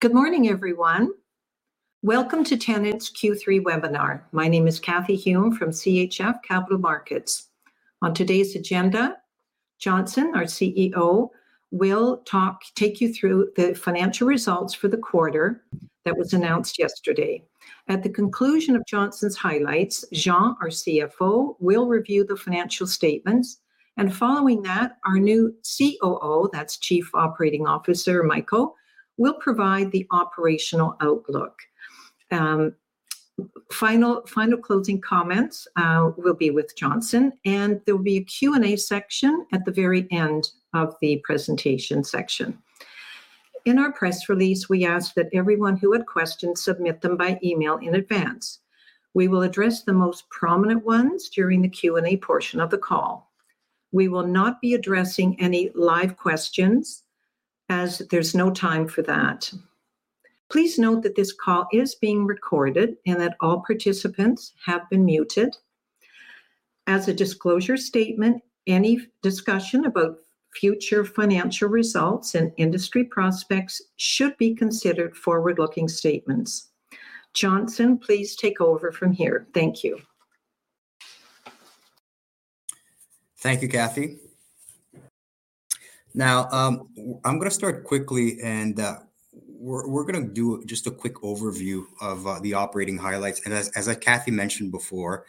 Good morning, everyone. Welcome to Tenet's Q3 webinar. My name is Cathy Hume from CHF Capital Markets. On today's agenda, Johnson, our CEO, will take you through the financial results for the quarter that was announced yesterday. At the conclusion of Johnson's highlights, Jean, our CFO, will review the financial statements, and following that, our new COO, that's Chief Operating Officer, Mayco, will provide the operational outlook. Final closing comments will be with Johnson, and there will be a Q&A section at the very end of the presentation section. In our press release, we ask that everyone who had questions submit them by email in advance. We will address the most prominent ones during the Q&A portion of the call. We will not be addressing any live questions, as there's no time for that. Please note that this call is being recorded and that all participants have been muted. As a disclosure statement, any discussion about future financial results and industry prospects should be considered forward-looking statements. Johnson, please take over from here. Thank you. Thank you, Cathy. Now, I'm gonna start quickly, and we're gonna do just a quick overview of the operating highlights. And as Cathy mentioned before,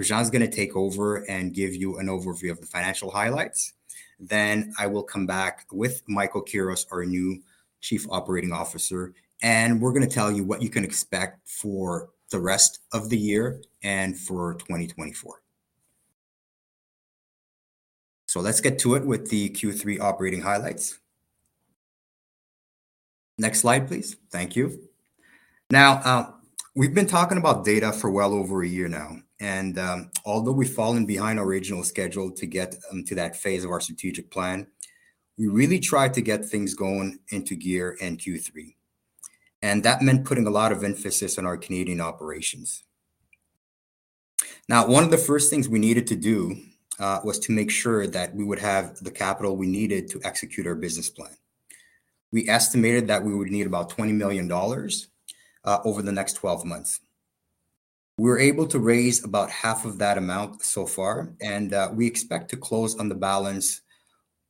Jean's gonna take over and give you an overview of the financial highlights. Then I will come back with Mayco Quiroz, our new Chief Operating Officer, and we're gonna tell you what you can expect for the rest of the year and for 2024. So let's get to it with the Q3 operating highlights. Next slide, please. Thank you. Now, we've been talking about data for well over a year now, and although we've fallen behind our original schedule to get to that phase of our strategic plan, we really tried to get things going into gear in Q3, and that meant putting a lot of emphasis on our Canadian operations. Now, one of the first things we needed to do was to make sure that we would have the capital we needed to execute our business plan. We estimated that we would need about 20 million dollars over the next 12 months. We're able to raise about half of that amount so far, and we expect to close on the balance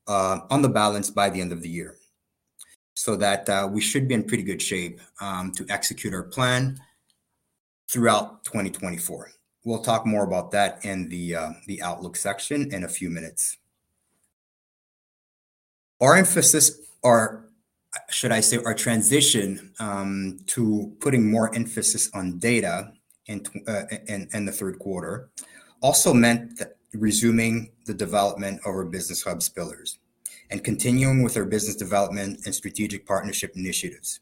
by the end of the year, so that we should be in pretty good shape to execute our plan throughout 2024. We'll talk more about that in the outlook section in a few minutes. Our emphasis, or should I say, our transition to putting more emphasis on data in the third quarter, also meant that resuming the development of our Business Hub pillars and continuing with our business development and strategic partnership initiatives.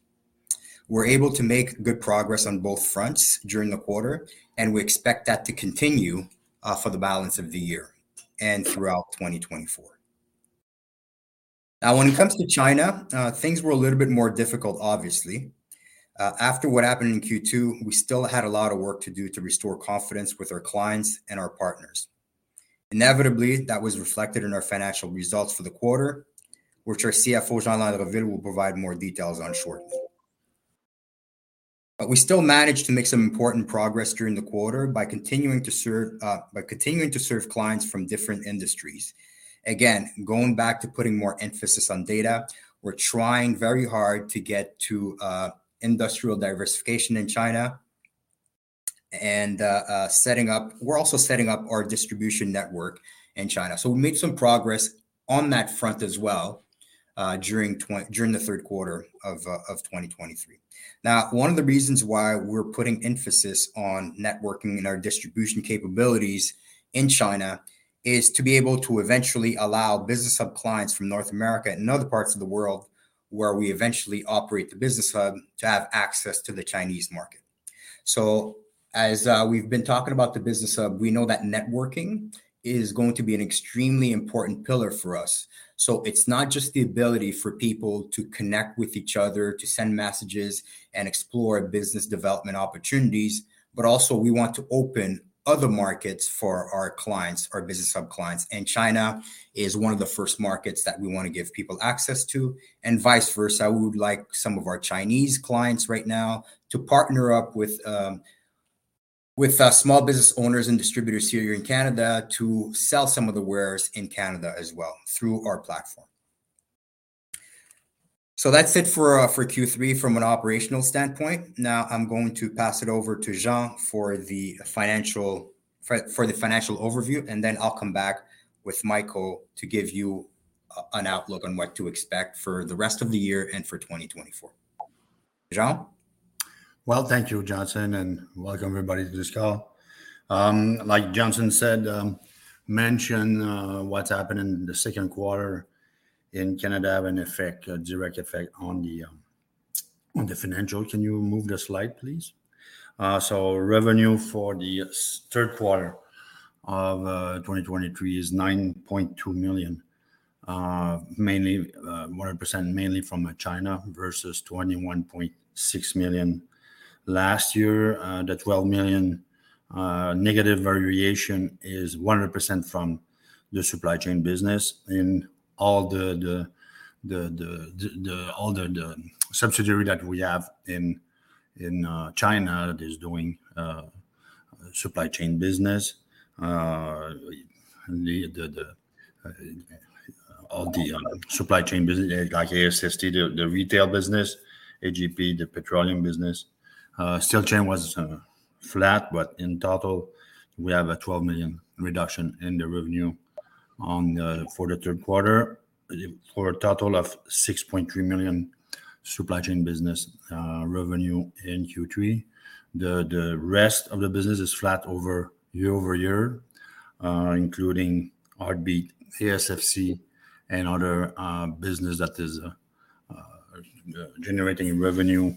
We're able to make good progress on both fronts during the quarter, and we expect that to continue for the balance of the year and throughout 2024. Now, when it comes to China, things were a little bit more difficult, obviously. After what happened in Q2, we still had a lot of work to do to restore confidence with our clients and our partners. Inevitably, that was reflected in our financial results for the quarter, which our CFO, Jean Landreville, will provide more details on shortly. But we still managed to make some important progress during the quarter by continuing to serve clients from different industries. Again, going back to putting more emphasis on data, we're trying very hard to get to industrial diversification in China and setting up our distribution network in China, so we made some progress on that front as well during the third quarter of 2023. Now, one of the reasons why we're putting emphasis on networking and our distribution capabilities in China is to be able to eventually allow Business Hub clients from North America and other parts of the world, where we eventually operate the Business Hub, to have access to the Chinese market. So, as we've been talking about the Business Hub, we know that networking is going to be an extremely important pillar for us. So it's not just the ability for people to connect with each other, to send messages, and explore business development opportunities, but also we want to open other markets for our clients, our Business Hub clients. And China is one of the first markets that we want to give people access to, and vice versa. We would like some of our Chinese clients right now to partner up with small business owners and distributors here in Canada to sell some of the wares in Canada as well through our platform. So that's it for Q3 from an operational standpoint. Now I'm going to pass it over to Jean for the financial overview, and then I'll come back with Mayco to give you an outlook on what to expect for the rest of the year and for 2024. Jean? Well, thank you, Johnson, and welcome, everybody, to this call. Like Johnson said, mentioned, what's happened in the second quarter in Canada have an effect, a direct effect on the, on the financial. Can you move the slide, please? So revenue for the third quarter of 2023 is 9.2 million, mainly, 100% mainly from China versus 21.6 million last year. The 12 million negative variation is 100% from the supply chain business in all the subsidiary that we have in China that is doing supply chain business, the supply chain business, like ASSC, the retail business, AGP, the petroleum business. SteelChain was flat, but in total, we have a 12 million reduction in the revenue for the third quarter, for a total of 6.3 million supply chain business revenue in Q3. The rest of the business is flat year-over-year, including Heartbeat, ASSC, and other business that is generating revenue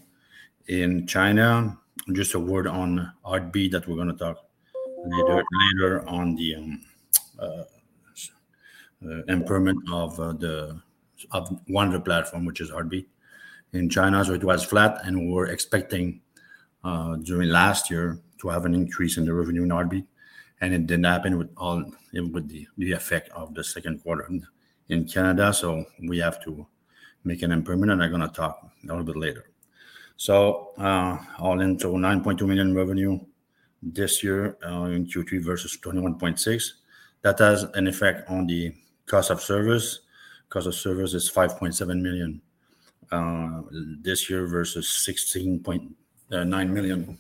in China. Just a word on Heartbeat, that we're gonna talk later on the improvement of one of the platforms, which is Heartbeat. In China, so it was flat, and we were expecting, during last year to have an increase in the revenue in Heartbeat, and it did not happen with all, with the, the effect of the second quarter in Canada. So we have to make an improvement, and I'm gonna talk a little bit later. So, all into 9.2 million revenue this year, in Q3 versus 21.6. That has an effect on the cost of service. Cost of service is 5.7 million, this year versus 16.9 million,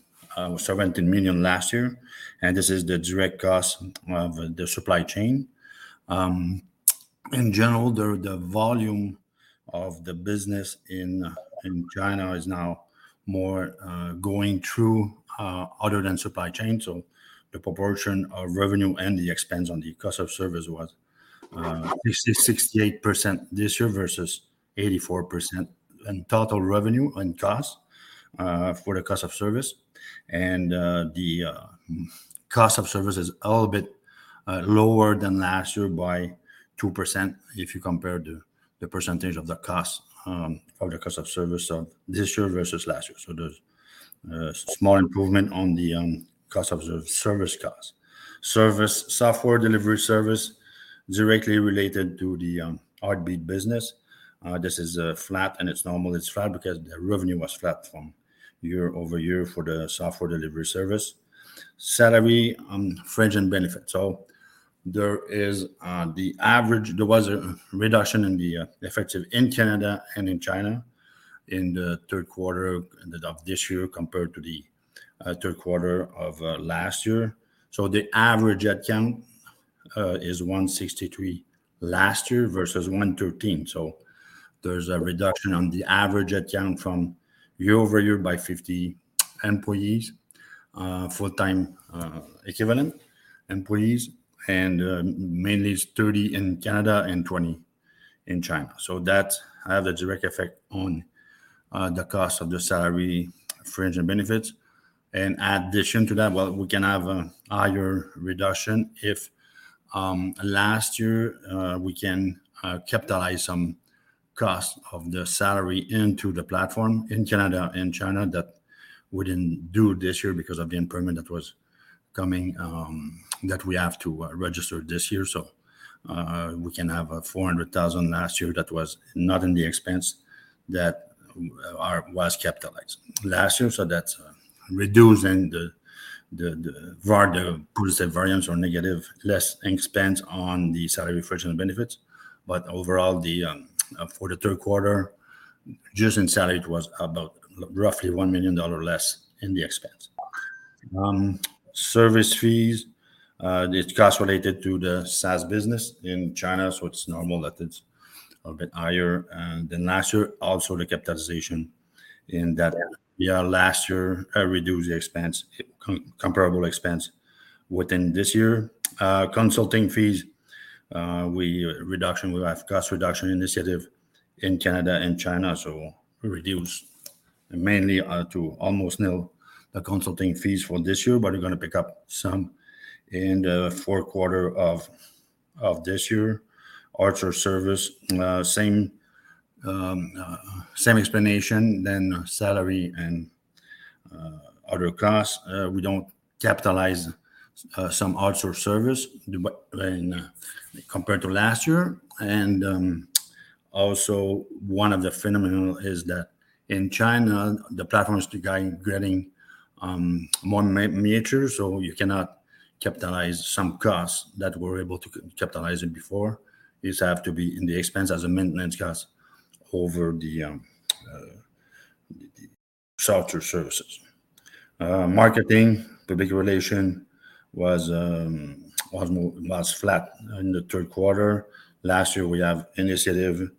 17 million last year, and this is the direct cost of the supply chain. In general, the, the volume of the business in, in China is now more, going through, other than supply chain. So the proportion of revenue and the expense on the cost of service was 68% this year versus 84% in total revenue and cost for the cost of service. And the cost of service is a little bit lower than last year by 2% if you compare the percentage of the cost of the cost of service of this year versus last year. So there's a small improvement on the cost of the service cost. Service, software delivery service, directly related to the Heartbeat business. This is flat, and it's normal. It's flat because the revenue was flat from year-over-year for the software delivery service. Salary, fringe and benefits. So there is the average, there was a reduction in the effective in Canada and in China in the third quarter of this year compared to the third quarter of last year. So the average headcount is 163 last year versus 113. So there's a reduction on the average headcount from year-over-year by 50 employees, full-time equivalent employees, and mainly it's 30 in Canada and 20 in China. So that have a direct effect on the cost of the salary, fringe, and benefits. In addition to that, well, we can have a higher reduction if last year we can capitalize some cost of the salary into the platform in Canada and China that we didn't do this year because of the improvement that was coming that we have to register this year. So, we can have a 400,000 last year that was not in the expense that was capitalized last year, so that's reducing the positive variance or negative, less expense on the salary, fringe, and benefits. But overall, for the third quarter, just in salary, it was about roughly 1 million dollar less in the expense. Service fees, the costs related to the SaaS business in China, so it's normal that it's a bit higher than last year. Also, the capitalization in that, yeah, last year reduced the expense, comparable expense within this year. Consulting fees, we, reduction, we have cost reduction initiative in Canada and China, so we reduced mainly to almost nil the consulting fees for this year, but we're gonna pick up some in the fourth quarter of this year. Outsource service, same explanation. Then salary and other costs, we don't capitalize some outsource service but and compared to last year. Also, one of the phenomenon is that in China, the platform is getting more mature, so you cannot capitalize some costs that we're able to capitalize it before. These have to be in the expense as a maintenance cost over the software services. Marketing, public relation was flat in the third quarter. Last year, we have initiative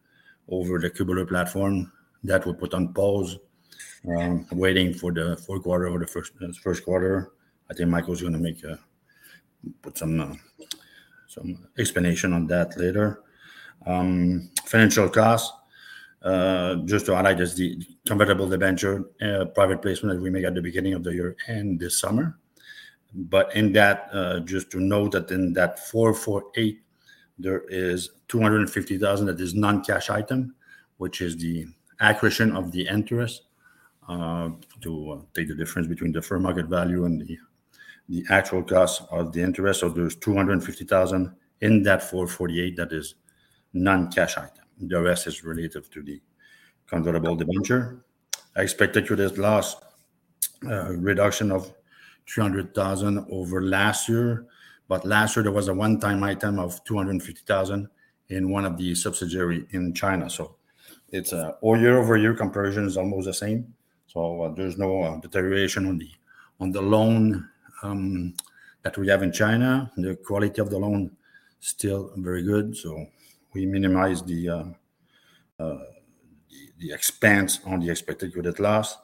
over the Cubeler platform that we put on pause, waiting for the fourth quarter or the first quarter. I think Mayco's gonna make some explanation on that later. Financial costs, just to highlight, is the convertible debenture private placement that we made at the beginning of the year and this summer. But in that, just to note that in that 448, there is 250,000 that is non-cash item, which is the accretion of the interest to take the difference between the fair market value and the actual cost of the interest. So there's 250,000 in that 448 that is non-cash item. The rest is related to the convertible debenture. Expected ECL this last reduction of 300,000 over last year, but last year there was a one-time item of 250,000 in one of the subsidiary in China. So it's all year-over-year comparison is almost the same, so there's no deterioration on the loan that we have in China. The quality of the loan still very good, so we minimize the expense on the expected ECL last.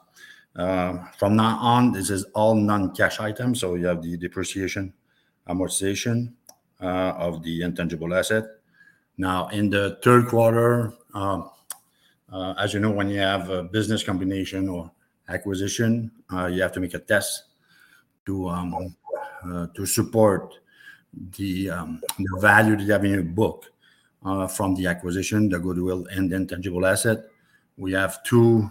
From now on, this is all non-cash items, so you have the depreciation, amortization of the intangible asset. Now, in the third quarter, as you know, when you have a business combination or acquisition, you have to make a test to support the value that you have in your book from the acquisition, the goodwill, and intangible asset. We have two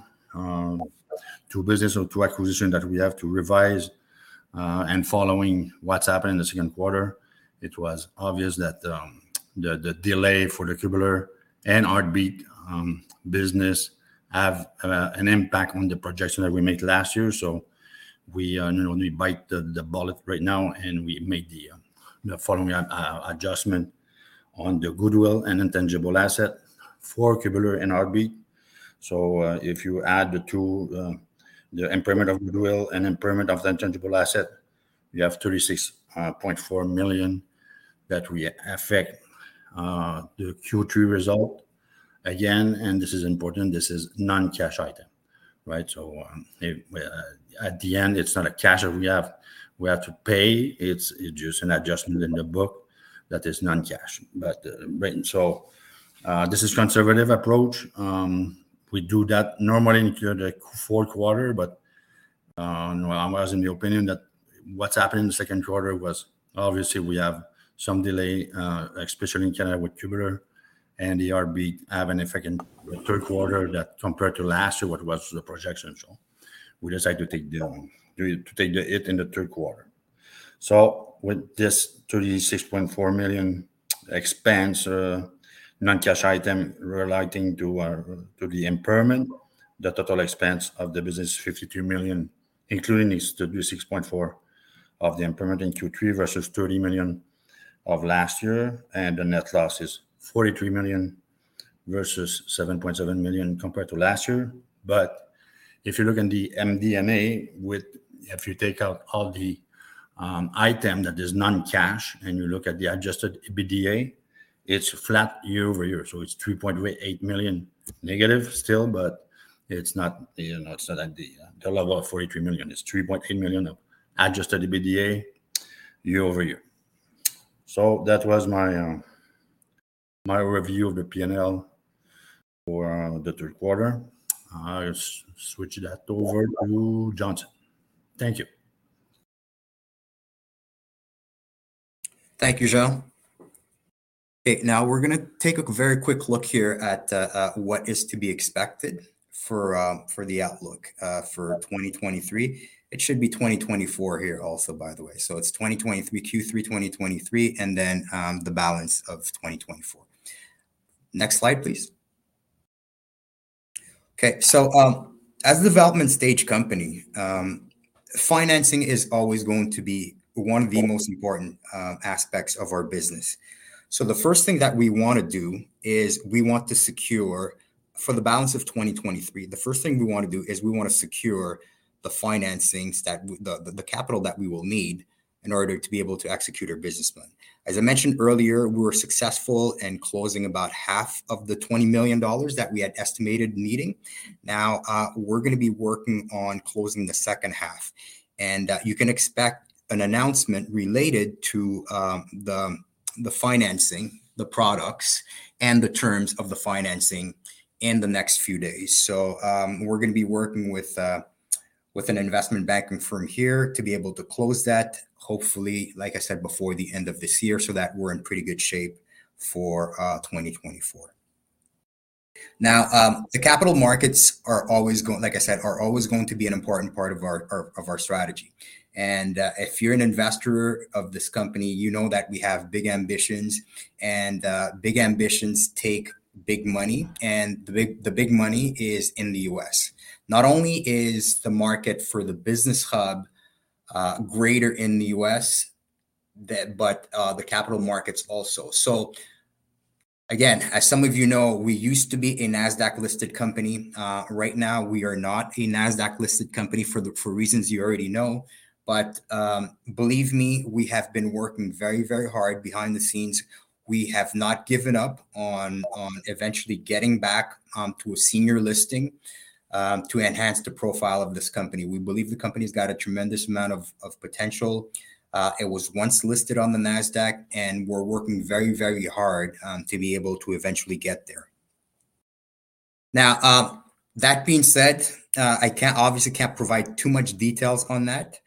business or two acquisitions that we have to revise, and following what's happened in the second quarter, it was obvious that the delay for the Cubeler and Heartbeat business have an impact on the projection that we made last year. So we, you know, we bite the bullet right now, and we make the following adjustment on the goodwill and intangible asset for Cubeler and Heartbeat. So, if you add the two, the impairment of goodwill and impairment of the intangible asset, you have 36.4 million that we affect the Q3 result. Again, this is important, this is non-cash item, right? So, at the end, it's not a cash item we have to pay, it's just an adjustment in the book that is non-cash. But, right, so, this is conservative approach. We do that normally in the fourth quarter, but, well, I was in the opinion that what's happened in the second quarter was obviously we have some delay, especially in Canada with Cubeler and the Heartbeat have an effect in the third quarter that compared to last year, what was the projection. So we decided to take the hit in the third quarter. So with this 36.4 million expense, non-cash item relating to the impairment, the total expense of the business is 52 million, including this 36.4 million of the impairment in Q3 versus 30 million of last year, and the net loss is 43 million versus 7.7 million compared to last year. But if you look in the MD&A with, if you take out all the item that is non-cash, and you look at the adjusted EBITDA, it's flat year-over-year, so it's 3.8 million negative still, but it's not, you know, it's not at the level of 43 million. It's 3.8 million of adjusted EBITDA year-over-year. So that was my review of the P&L for the third quarter. I'll switch that over to Johnson. Thank you. Thank you, Jean. Okay, now we're gonna take a very quick look here at what is to be expected for the outlook for 2023. It should be 2024 here also, by the way. So it's 2023, Q3 2023, and then the balance of 2024. Next slide, please. Okay, so as a development stage company, financing is always going to be one of the most important aspects of our business. So the first thing that we wanna do is we want to secure, for the balance of 2023, the first thing we wanna do is we wanna secure the financings that the capital that we will need in order to be able to execute our business plan. As I mentioned earlier, we were successful in closing about half of the 20 million dollars that we had estimated needing. Now, we're gonna be working on closing the second half, and you can expect an announcement related to the financing, the products, and the terms of the financing in the next few days. So, we're gonna be working with an investment banking firm here to be able to close that, hopefully, like I said, before the end of this year, so that we're in pretty good shape for 2024. Now, the capital markets are always going, like I said, are always going to be an important part of our strategy. And if you're an investor of this company, you know that we have big ambitions, and big ambitions take big money, and the big money is in the U.S. Not only is the market for the Business Hub greater in the U.S., but the capital markets also. So again, as some of you know, we used to be a NASDAQ-listed company. Right now, we are not a NASDAQ-listed company for reasons you already know. But believe me, we have been working very, very hard behind the scenes. We have not given up on eventually getting back to a senior listing to enhance the profile of this company. We believe the company's got a tremendous amount of potential. It was once listed on the NASDAQ, and we're working very, very hard to be able to eventually get there. Now that being said, I can't obviously provide too much details on that.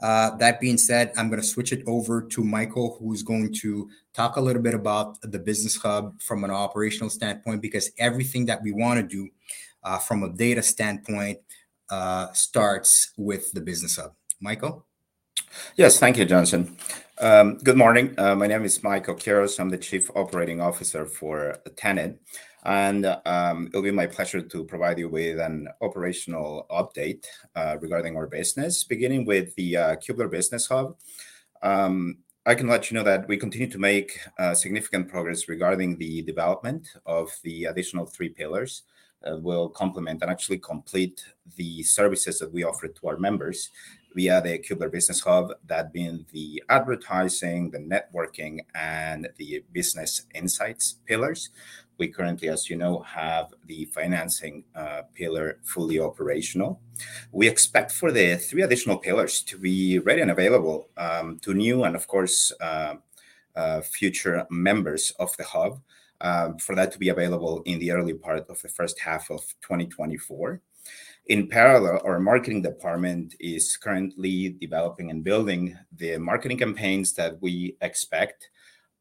That being said, I'm gonna switch it over to Mayco, who's going to talk a little bit about the Business Hub from an operational standpoint, because everything that we wanna do, from a data standpoint, starts with the Business Hub. Mayco? Yes, thank you, Johnson. Good morning. My name is Mayco Quiroz. I'm the Chief Operating Officer for Tenet, and, it'll be my pleasure to provide you with an operational update, regarding our business, beginning with the, Cubeler Business Hub. I can let you know that we continue to make, significant progress regarding the development of the additional three pillars, will complement and actually complete the services that we offer to our members via the Cubeler Business Hub, that being the advertising, the networking, and the business insights pillars. We currently, as you know, have the financing, pillar fully operational. We expect for the three additional pillars to be ready and available, to new and, of course, future members of the hub, for that to be available in the early part of the first half of 2024. In parallel, our marketing department is currently developing and building the marketing campaigns that we expect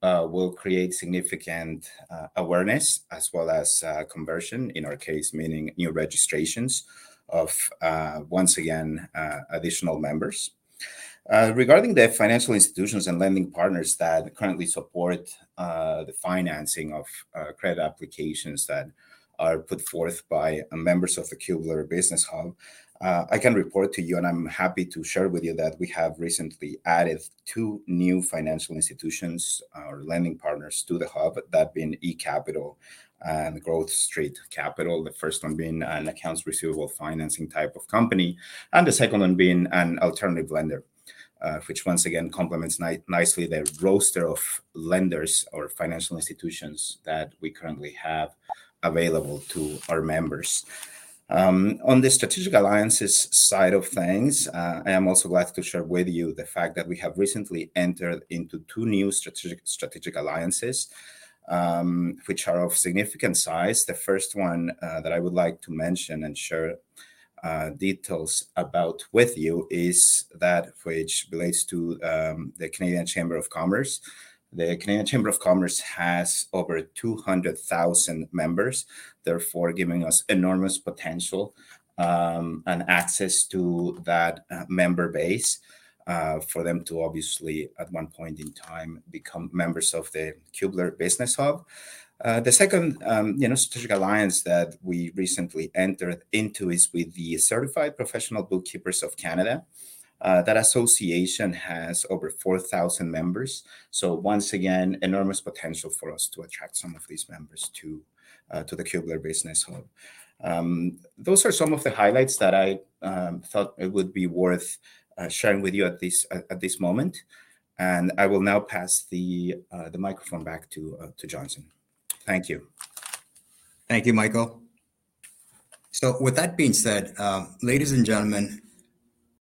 will create significant awareness, as well as conversion, in our case, meaning new registrations of once again additional members. Regarding the financial institutions and lending partners that currently support the financing of credit applications that are put forth by members of the Cubeler Business Hub, I can report to you, and I'm happy to share with you, that we have recently added two new financial institutions or lending partners to the hub, that being eCapital and Growth Street Capital, the first one being an accounts receivable financing type of company, and the second one being an alternative lender, which once again complements nicely the roster of lenders or financial institutions that we currently have available to our members. On the strategic alliances side of things, I am also glad to share with you the fact that we have recently entered into two new strategic, strategic alliances, which are of significant size. The first one, that I would like to mention and share, details about with you is that which relates to, the Canadian Chamber of Commerce. The Canadian Chamber of Commerce has over 200,000 members, therefore, giving us enormous potential, and access to that, member base, for them to obviously, at one point in time, become members of the Cubeler Business Hub. The second, you know, strategic alliance that we recently entered into is with the Certified Professional Bookkeepers of Canada. That association has over 4,000 members, so once again, enormous potential for us to attract some of these members to, to the Cubeler Business Hub. Those are some of the highlights that I thought it would be worth sharing with you at this moment, and I will now pass the microphone back to Johnson. Thank you. Thank you, Mayco. So with that being said, ladies and gentlemen,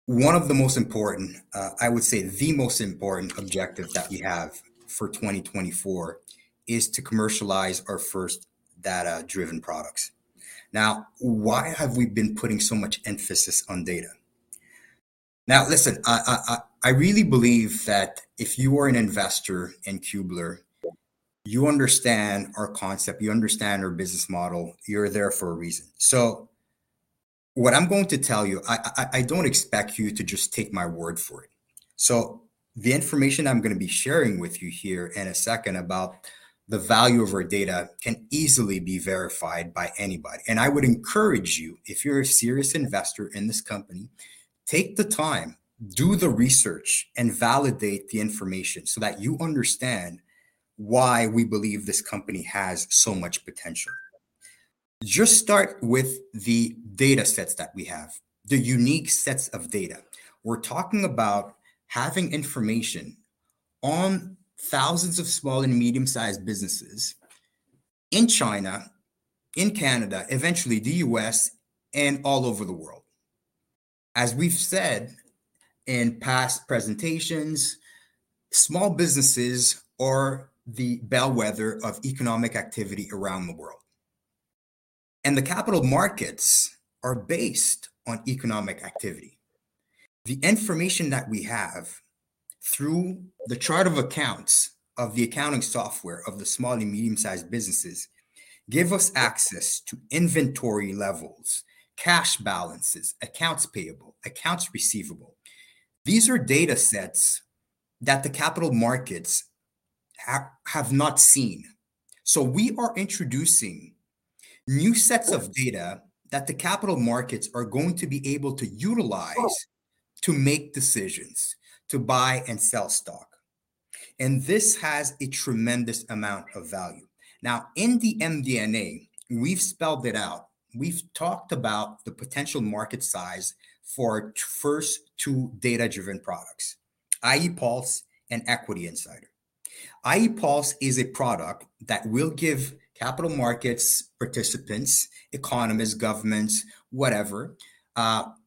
one of the most important, I would say the most important objective that we have for 2024 is to commercialize our first data-driven products. Now, why have we been putting so much emphasis on data? Now, listen, I really believe that if you are an investor in Cubeler, you understand our concept, you understand our business model, you're there for a reason. So what I'm going to tell you, I don't expect you to just take my word for it. So the information I'm gonna be sharing with you here in a second about the value of our data can easily be verified by anybody. I would encourage you, if you're a serious investor in this company, take the time, do the research, and validate the information so that you understand why we believe this company has so much potential. Just start with the data sets that we have, the unique sets of data. We're talking about having information on thousands of small and medium-sized businesses in China, in Canada, eventually the U.S., and all over the world. As we've said in past presentations, small businesses are the bellwether of economic activity around the world, and the capital markets are based on economic activity. The information that we have through the chart of accounts of the accounting software of the small and medium-sized businesses, give us access to inventory levels, cash balances, accounts payable, accounts receivable. These are data sets that the capital markets have not seen. So we are introducing new sets of data that the capital markets are going to be able to utilize to make decisions, to buy and sell stock, and this has a tremendous amount of value. Now, in the MD&A, we've spelled it out. We've talked about the potential market size for our first two data-driven products, iePulse and Equity Insider. iePulse is a product that will give capital markets participants, economists, governments, whatever,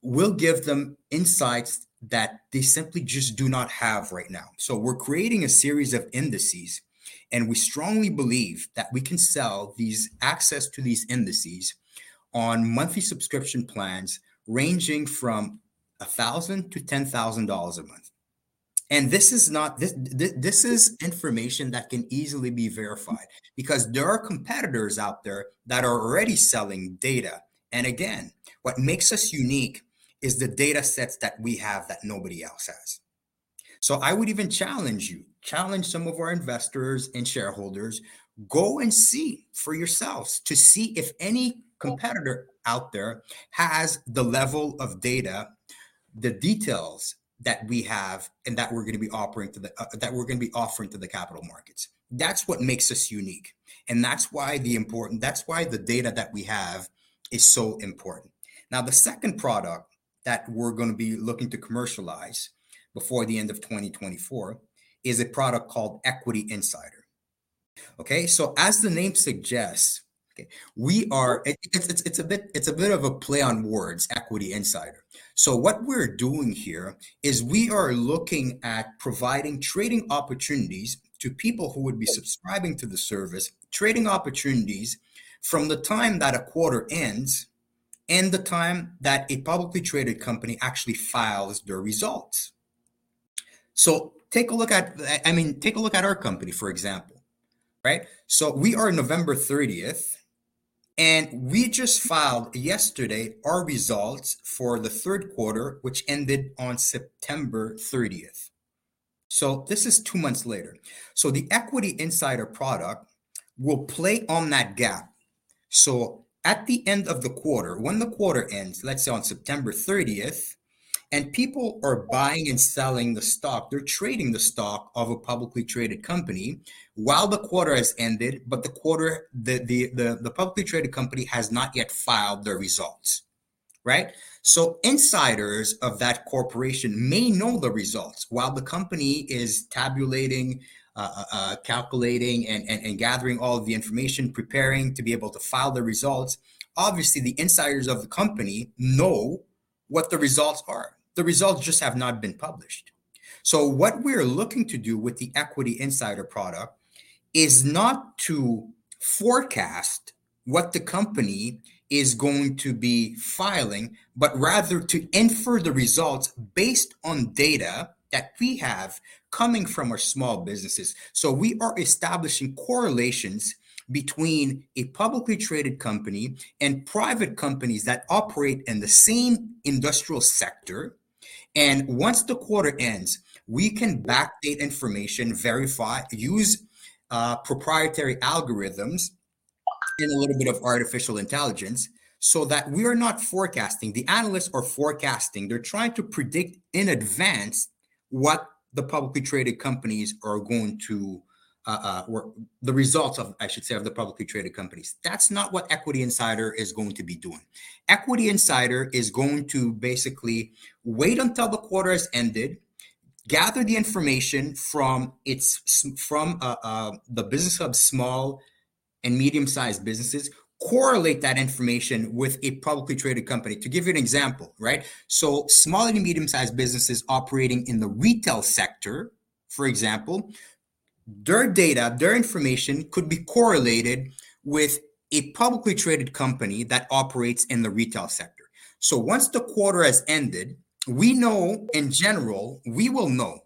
will give them insights that they simply just do not have right now. So we're creating a series of indices, and we strongly believe that we can sell these, access to these indices on monthly subscription plans ranging from 1,000 to 10,000 dollars a month. And this is not. This is information that can easily be verified because there are competitors out there that are already selling data, and again, what makes us unique is the data sets that we have that nobody else has. So I would even challenge you, challenge some of our investors and shareholders, go and see for yourselves to see if any competitor out there has the level of data, the details that we have, and that we're gonna be offering to the, that we're gonna be offering to the capital markets. That's what makes us unique, and that's why the data that we have is so important. Now, the second product that we're gonna be looking to commercialize before the end of 2024 is a product called Equity Insider. Okay, so as the name suggests, okay, we are, and it, it's a bit of a play on words, Equity Insider. So what we're doing here is we are looking at providing trading opportunities to people who would be subscribing to the service, trading opportunities from the time that a quarter ends and the time that a publicly traded company actually files their results. So take a look at, I mean, take a look at our company, for example, right? So we are November 30th, and we just filed yesterday our results for the third quarter, which ended on September 30th. So this is two months later. So the Equity Insider product will play on that gap. So at the end of the quarter, when the quarter ends, let's say on September thirtieth, and people are buying and selling the stock, they're trading the stock of a publicly traded company while the quarter has ended, but the quarter, the publicly traded company has not yet filed their results, right? So insiders of that corporation may know the results while the company is tabulating, calculating and, and, and gathering all the information, preparing to be able to file the results, obviously, the insiders of the company know what the results are. The results just have not been published. So what we're looking to do with the Equity Insider product is not to forecast what the company is going to be filing, but rather to infer the results based on data that we have coming from our small businesses. So we are establishing correlations between a publicly traded company and private companies that operate in the same industrial sector, and once the quarter ends, we can backdate information, verify, use proprietary algorithms and a little bit of artificial intelligence so that we are not forecasting. The analysts are forecasting. They're trying to predict in advance what the publicly traded companies are going to or the results of, I should say, of the publicly traded companies. That's not what Equity Insider is going to be doing. Equity Insider is going to basically wait until the quarter has ended, gather the information from the business of small and medium-sized businesses, correlate that information with a publicly traded company. To give you an example, right? So small and medium-sized businesses operating in the retail sector, for example, their data, their information could be correlated with a publicly traded company that operates in the retail sector. So once the quarter has ended, we know in general, we will know,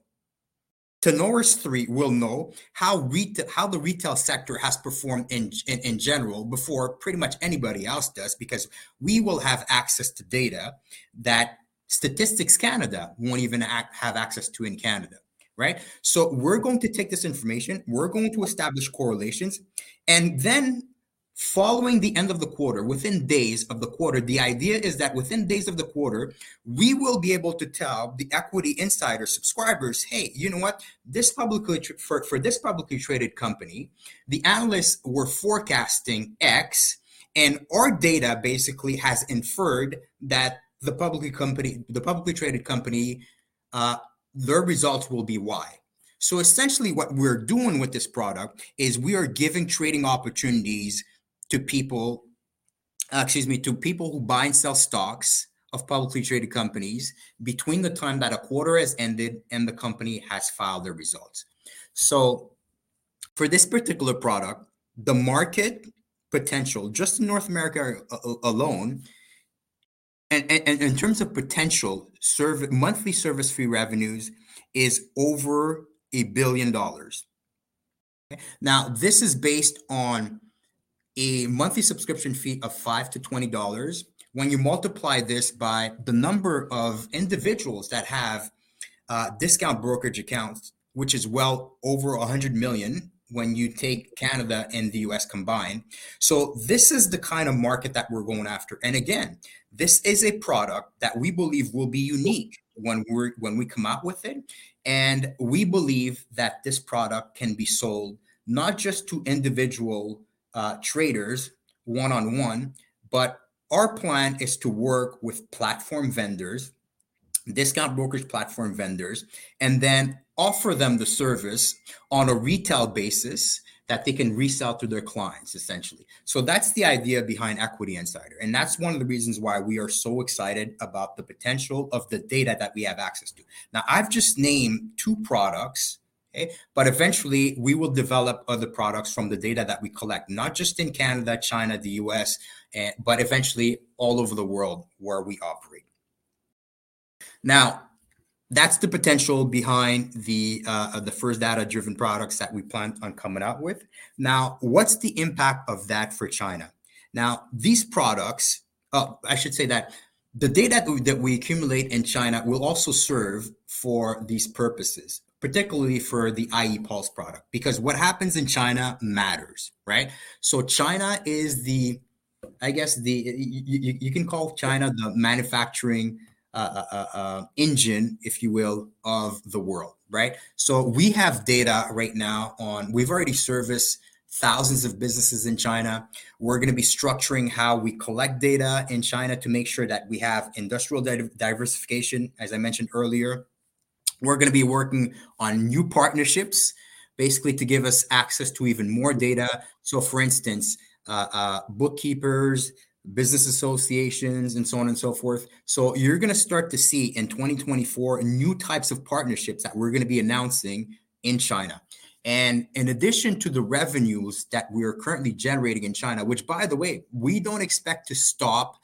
Tenet will know how the retail sector has performed in general, before pretty much anybody else does, because we will have access to data that Statistics Canada won't even have access to in Canada, right? So we're going to take this information, we're going to establish correlations, and then following the end of the quarter, within days of the quarter, the idea is that within days of the quarter, we will be able to tell the Equity Insider subscribers, "Hey, you know what? This publicly traded company, for this publicly traded company, the analysts were forecasting X, and our data basically has inferred that the public company, the publicly traded company, their results will be Y." So essentially, what we're doing with this product is we are giving trading opportunities to people, excuse me, to people who buy and sell stocks of publicly traded companies between the time that a quarter has ended and the company has filed their results. So for this particular product, the market potential, just in North America alone, and in terms of potential monthly service fee revenues is over $1 billion. Now, this is based on a monthly subscription fee of $5 to $20. When you multiply this by the number of individuals that have discount brokerage accounts, which is well over 100 million, when you take Canada and the U.S. combined. So this is the kind of market that we're going after. And again, this is a product that we believe will be unique when we come out with it. And we believe that this product can be sold not just to individual traders one-on-one, but our plan is to work with platform vendors, discount brokerage platform vendors, and then offer them the service on a retail basis that they can resell to their clients, essentially. So that's the idea behind Equity Insider, and that's one of the reasons why we are so excited about the potential of the data that we have access to. Now, I've just named two products, okay? But eventually, we will develop other products from the data that we collect, not just in Canada, China, the U.S., but eventually all over the world where we operate. Now, that's the potential behind the first data-driven products that we plan on coming out with. Now, what's the impact of that for China? Now, these products. Oh, I should say that the data that we accumulate in China will also serve for these purposes, particularly for the iePulse product, because what happens in China matters, right? So China is the, I guess, you can call China the manufacturing engine, if you will, of the world, right? So we have data right now on. We've already serviced thousands of businesses in China. We're gonna be structuring how we collect data in China to make sure that we have industrial data diversification, as I mentioned earlier. We're gonna be working on new partnerships, basically to give us access to even more data. So for instance, bookkeepers, business associations, and so on and so forth. So you're gonna start to see in 2024, new types of partnerships that we're gonna be announcing in China. And in addition to the revenues that we are currently generating in China, which, by the way, we don't expect to stop,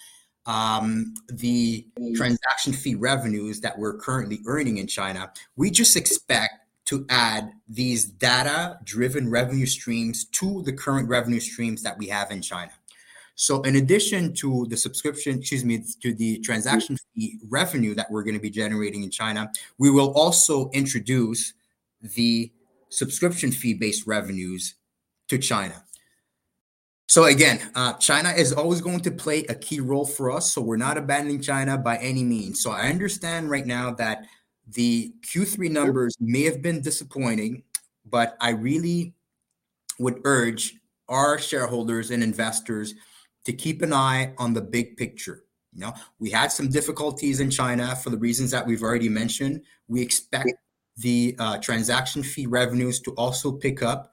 the transaction fee revenues that we're currently earning in China. We just expect to add these data-driven revenue streams to the current revenue streams that we have in China. So in addition to the subscription, excuse me, to the transaction fee revenue that we're gonna be generating in China, we will also introduce the subscription fee-based revenues to China. So again, China is always going to play a key role for us, so we're not abandoning China by any means. So I understand right now that the Q3 numbers may have been disappointing, but I really would urge our shareholders and investors to keep an eye on the big picture. You know, we had some difficulties in China for the reasons that we've already mentioned. We expect the transaction fee revenues to also pick up,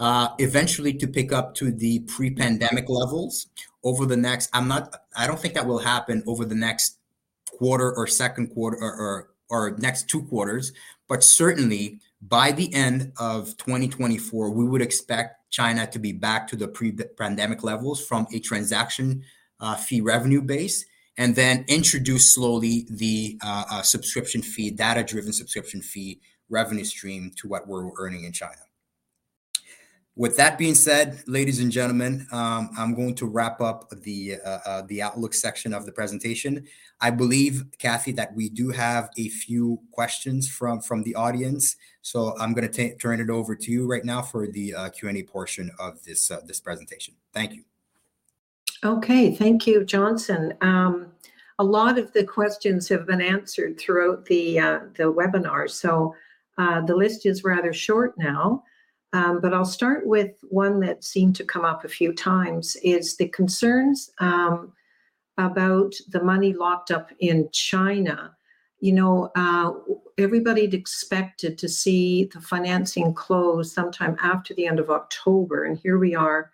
eventually to pick up to the pre-pandemic levels over the next. I'm not. I don't think that will happen over the next quarter or second quarter or next two quarters, but certainly by the end of 2024, we would expect China to be back to the pre-pandemic levels from a transaction fee revenue base, and then introduce slowly the subscription fee, data-driven subscription fee revenue stream to what we're earning in China. With that being said, ladies and gentlemen, I'm going to wrap up the outlook section of the presentation. I believe, Cathy, that we do have a few questions from the audience, so I'm gonna turn it over to you right now for the Q&A portion of this presentation. Thank you. Okay. Thank you, Johnson. A lot of the questions have been answered throughout the, the webinar, so, the list is rather short now. But I'll start with one that seemed to come up a few times, is the concerns about the money locked up in China. You know, everybody had expected to see the financing close sometime after the end of October, and here we are,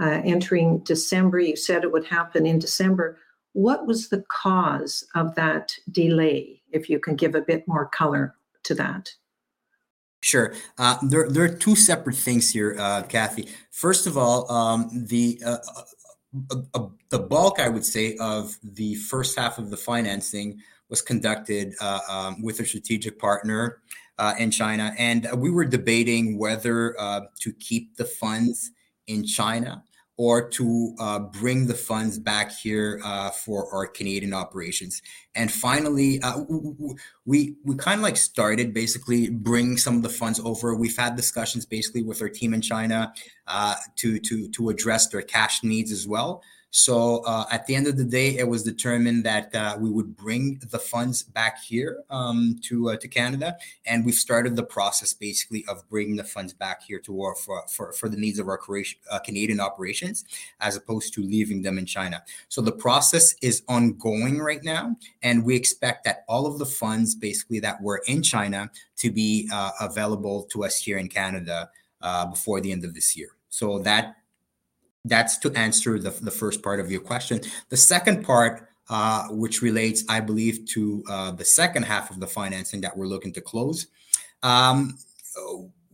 entering December. You said it would happen in December. What was the cause of that delay? If you can give a bit more color to that. Sure. There are two separate things here, Cathy. First of all, the bulk, I would say, of the first half of the financing was conducted with a strategic partner in China, and we were debating whether to keep the funds in China or to bring the funds back here for our Canadian operations. And finally, we kind of like started basically bringing some of the funds over. We've had discussions basically with our team in China to address their cash needs as well. So, at the end of the day, it was determined that we would bring the funds back here to Canada, and we've started the process basically of bringing the funds back here to our for the needs of our Canadian operations, as opposed to leaving them in China. So the process is ongoing right now, and we expect that all of the funds basically that were in China to be available to us here in Canada before the end of this year. So that's to answer the first part of your question. The second part, which relates, I believe, to the second half of the financing that we're looking to close.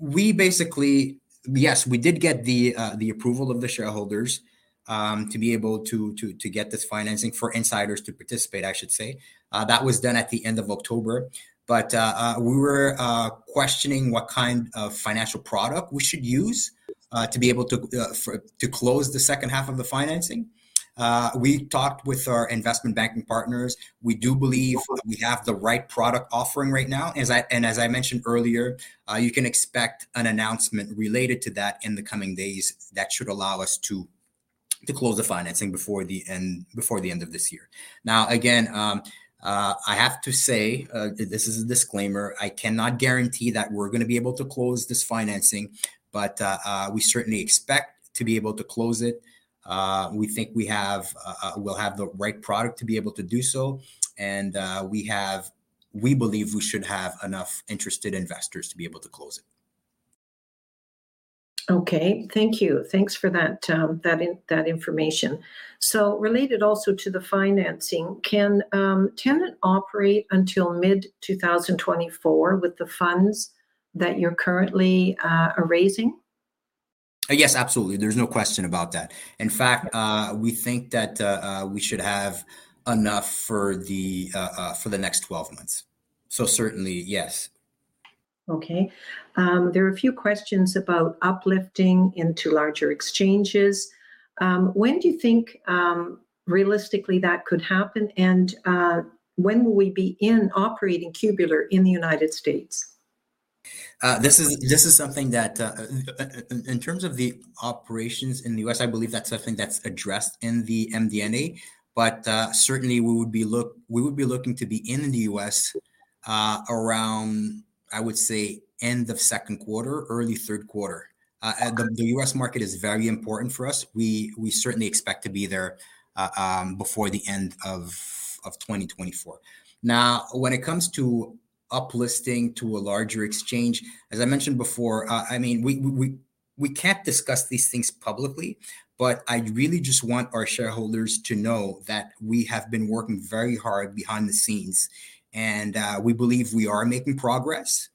We basically, yes, we did get the approval of the shareholders to be able to get this financing for insiders to participate, I should say. That was done at the end of October, but we were questioning what kind of financial product we should use to be able to close the second half of the financing. We talked with our investment banking partners. We do believe we have the right product offering right now, as I and as I mentioned earlier, you can expect an announcement related to that in the coming days that should allow us to close the financing before the end of this year. Now, again, I have to say that this is a disclaimer, I cannot guarantee that we're gonna be able to close this financing, but we certainly expect to be able to close it. We think we have, we'll have the right product to be able to do so, and we have, we believe we should have enough interested investors to be able to close it. Okay. Thank you. Thanks for that information. So related also to the financing, can Tenet operate until mid-2024 with the funds that you're currently raising? Yes, absolutely. There's no question about that. In fact, we think that we should have enough for the next 12 months. So certainly, yes. Okay, there are a few questions about uplisting to larger exchanges. When do you think, realistically, that could happen, and when will we begin operating Cubeler in the United States? This is something that, in terms of the operations in the U.S., I believe that's something that's addressed in the MD&A, but certainly we would be looking to be in the U.S., around, I would say, end of second quarter, early third quarter. The U.S. market is very important for us. We certainly expect to be there before the end of 2024. Now, when it comes to uplisting to a larger exchange, as I mentioned before, I mean, we can't discuss these things publicly, but I really just want our shareholders to know that we have been working very hard behind the scenes, and we believe we are making progress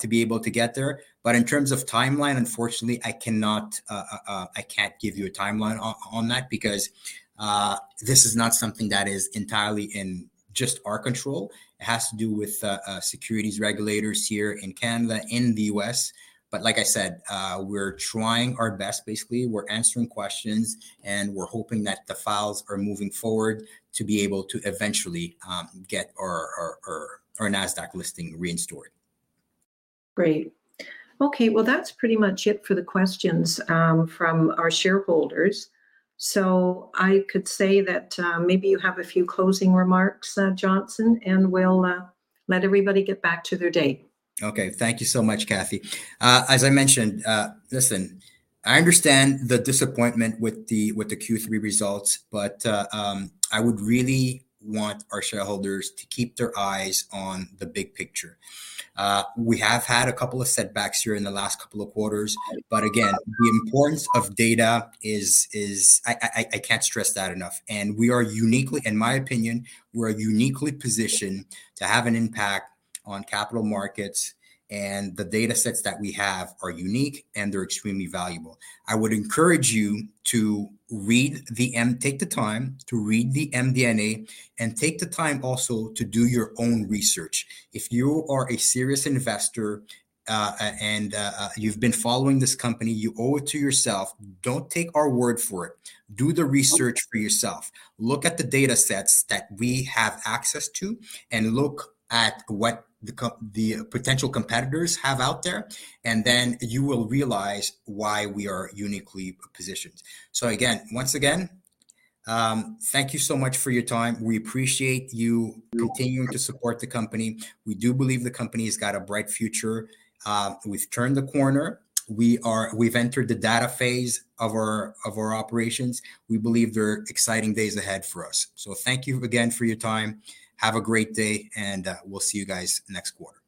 to be able to get there. But in terms of timeline, unfortunately, I cannot, I can't give you a timeline on that because securities regulators here in Canada, in the U.S. But like I said, we're trying our best. Basically, we're answering questions, and we're hoping that the files are moving forward to be able to eventually get our NASDAQ listing restored. Great. Okay, well, that's pretty much it for the questions from our shareholders. So I could say that maybe you have a few closing remarks, Johnson, and we'll let everybody get back to their day. Okay. Thank you so much, Cathy. As I mentioned, listen, I understand the disappointment with the Q3 results, but I would really want our shareholders to keep their eyes on the big picture. We have had a couple of setbacks here in the last couple of quarters, but again, the importance of data is. I can't stress that enough, and we are uniquely positioned, in my opinion, to have an impact on capital markets, and the data sets that we have are unique, and they're extremely valuable. I would encourage you to take the time to read the MD&A, and take the time also to do your own research. If you are a serious investor and you've been following this company, you owe it to yourself. Don't take our word for it. Do the research for yourself. Look at the data sets that we have access to, and look at what the potential competitors have out there, and then you will realize why we are uniquely positioned. So again, once again, thank you so much for your time. We appreciate you continuing to support the company. We do believe the company has got a bright future. We've turned the corner. We've entered the data phase of our, of our operations. We believe there are exciting days ahead for us. So thank you again for your time. Have a great day, and we'll see you guys next quarter.